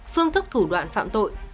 phương thức thủ đoạn phạm tội